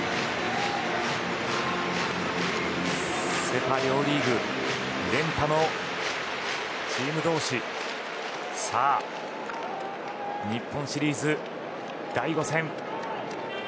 セ・パ両リーグ連覇のチーム同士さあ、日本シリーズ第５戦。